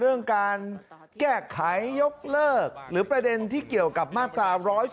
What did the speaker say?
เรื่องการแก้ไขยกเลิกหรือประเด็นที่เกี่ยวกับมาตรา๑๑๒